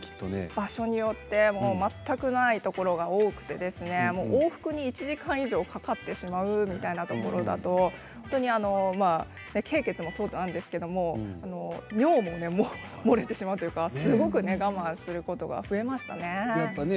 場所によって全くないところが多くて往復に１時間以上かかってしまうみたいなところだと経血もそうなんですけど尿も漏れてしまうというかすごく我慢することが増えましたね。